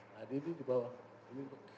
nah ini di bawah